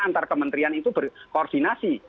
antara kementerian itu berkoordinasi